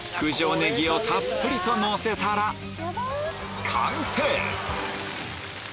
ねぎをたっぷりとのせたら完成！